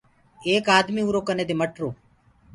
ايڪ آدميٚ اُرو ڪني دي مٽرو۔